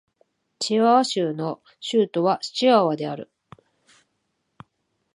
チワワ州の州都はチワワである